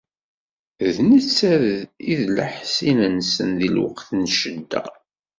D netta i d leḥṣin-nsen di lweqt n ccedda.